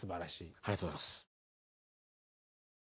ありがとうございます。